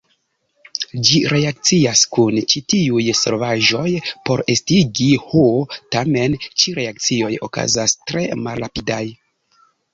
Ĝi reakcias kun ĉi-tiuj solvaĵoj por estigi H, tamen, ĉi-reakcioj okazas tre malrapidaj.